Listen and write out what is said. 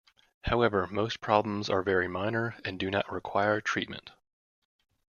However, most problems are very minor and do not require treatment.